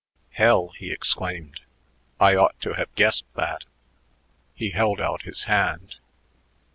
"Hell!" he exclaimed. "I ought to have guessed that." He held out his hand.